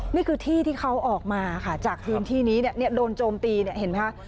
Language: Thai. นี่คือที่ที่เขาออกมาค่ะจากพื้นที่นี้โดนโจมตีเนี่ยเห็นไหมคะ